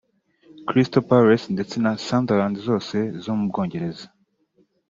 Crystal Palace ndetse na Sundrand zose zo mu Bwongereza